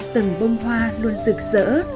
từng bông hoa luôn rực rỡ